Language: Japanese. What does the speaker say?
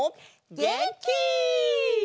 げんき！